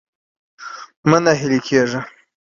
زه ښار ته ځم په هوټل کي به مي کالي بدل کړم.